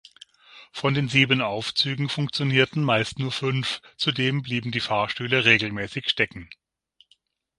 Von den sieben Aufzügen funktionierten meist nur fünf, zudem blieben die Fahrstühle regelmäßig stecken.